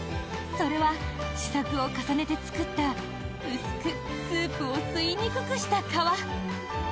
それは試作を重ねて作った薄くスープを吸いにくくした皮。